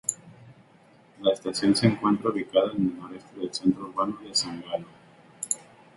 La estación se encuentra ubicada en el noreste del centro urbano de San Galo.